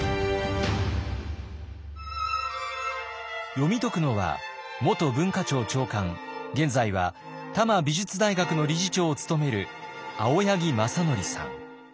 読み解くのは元文化庁長官現在は多摩美術大学の理事長を務める青柳正規さん。